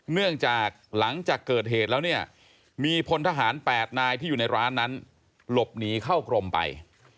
เนื่องจากหลังจากเกิดเหตุแล้วเนี่ยมีพลทหาร๘นายที่อยู่ในร้านนั้นหลบหนีเข้ากรมไป